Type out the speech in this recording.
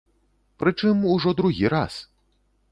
Прычым ужо другі раз.